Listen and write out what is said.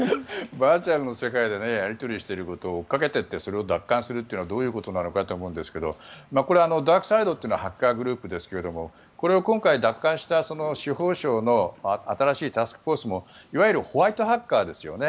バーチャルの世界でやり取りをしていることを追いかけていってそれを奪還するというのはどういうことなのかと思うんですがこれ、ダークサイドはハッカーグループですがこれを今回奪還した司法省の新しいタスクフォースもいわゆるホワイトハッカーですよね。